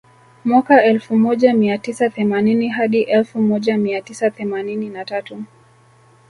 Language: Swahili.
Mwaka elfu moja mia tisa themanini hadi elfu moja mia tisa themanini na tatu